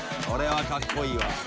これはかっこいいわ。